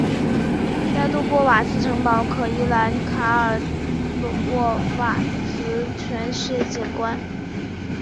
在杜波瓦茨城堡可一览卡尔洛瓦茨全市景观。